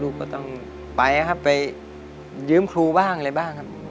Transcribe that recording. ก็ต้องไปครับไปยืมครูบ้างอะไรบ้างครับ